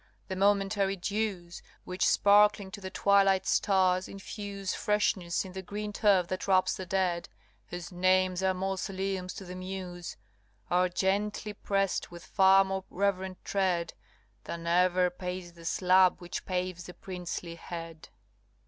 the momentary dews Which, sparkling to the twilight stars, infuse Freshness in the green turf that wraps the dead, Whose names are mausoleums of the Muse, Are gently prest with far more reverent tread Than ever paced the slab which paves the princely head.